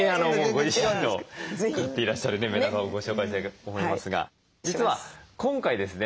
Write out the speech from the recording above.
ご自身の飼っていらっしゃるメダカをご紹介して頂きたいと思いますが実は今回ですね